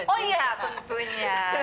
oh iya tentunya